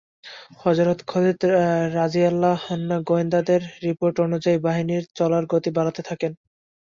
হযরত Khalid রাযিয়াল্লাহু আনহু গোয়েন্দাদের রিপোর্ট অনুযায়ী বাহিনীর চলার গতি বাড়াতে থাকেন।